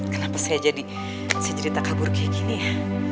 kenapa saya jadi sejerita kabur kayak gini ya